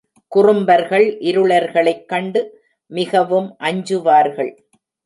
குறும்பர்கள் இருளர்களைக் கண்டு மிகவும் அஞ்சுவார்கள்.